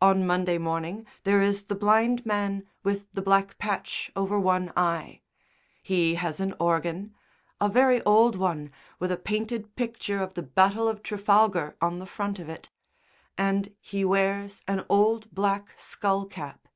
On Monday morning there is the blind man with the black patch over one eye; he has an organ (a very old one, with a painted picture of the Battle of Trafalgar on the front of it) and he wears an old black skull cap.